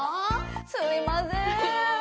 すみません。